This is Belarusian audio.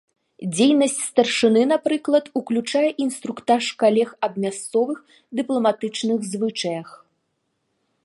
Дзейнасць старшыны, напрыклад, уключае інструктаж калег аб мясцовых дыпламатычных звычаях.